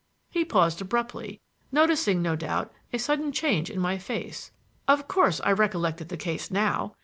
He paused abruptly, noticing, no doubt, a sudden change in my face. Of course I recollected the case now.